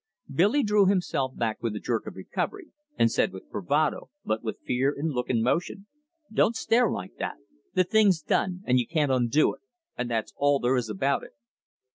Billy drew himself back with a jerk of recovery, and said with bravado, but with fear in look and motion: "Don't stare like that. The thing's done, and you can't undo it, and that's all there is about it."